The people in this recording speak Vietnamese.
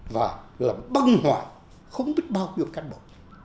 và làm băng hoại không biết bao nhiêu cán bộ